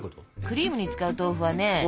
クリームに使う豆腐はね